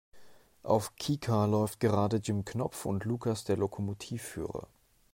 Auf Kika läuft gerade Jim Knopf und Lukas der Lokomotivführer.